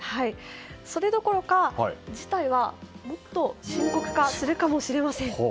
それどころか事態はもっと深刻化するかもしれません。